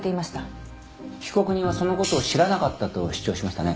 被告人はそのことを知らなかったと主張しましたね。